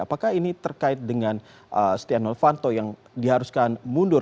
apakah ini terkait dengan stianovanto yang diharuskan mundur